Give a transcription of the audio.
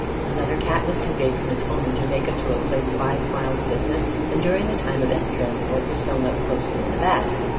Another Cat was conveyed from its home in Jamaica to a place five miles distant, and during the time of its transport was sown up closely in a bag.